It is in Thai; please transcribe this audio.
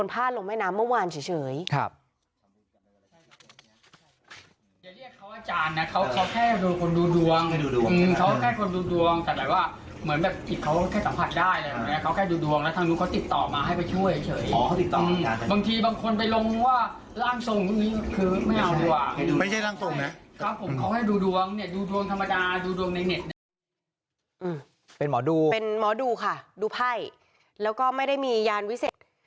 เป็นหมอดูเป็นหมอดูค่ะดูไพ่แล้วก็ไม่ได้มียานวิเศษ